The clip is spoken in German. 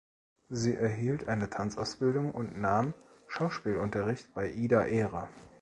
Sie erhielt eine Tanzausbildung und nahm Schauspielunterricht bei Ida Ehre.